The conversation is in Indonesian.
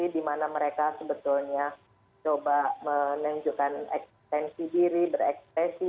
di mana mereka sebetulnya coba menunjukkan eksistensi diri berekspresi